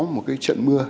một cái trận mưa